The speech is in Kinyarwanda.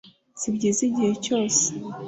Si byiza igihe cyose